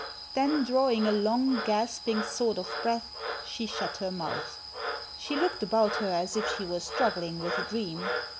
Then, drawing a long, gasping sort of breath, she shut her mouth. She looked about her as if she were struggling with a dream.